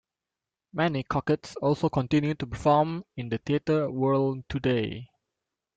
Many Cockettes also continue to perform in the theatre world today.